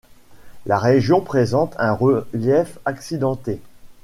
La région présente un relief accidenté.